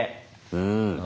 うん。